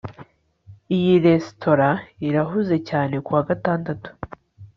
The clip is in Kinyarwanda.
iyi resitora irahuze cyane kuwa gatandatu